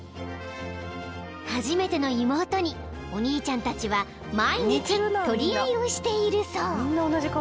［初めての妹にお兄ちゃんたちは毎日取り合いをしているそう］